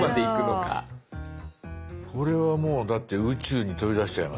これはもうだって宇宙に飛び出しちゃいますよ。